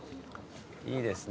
いいですね